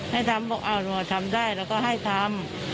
ให้ทำบอกเอาหนูว่าทำได้แล้วก็ให้ทำ